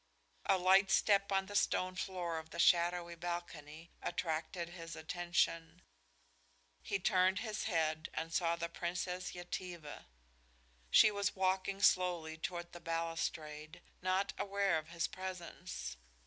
A light step on the stone floor of the shadowy balcony attracted his attention. He turned his head and saw the Princess Yetive. She was walking slowly toward the balustrade, not aware of his presence.